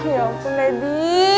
ya ampun lady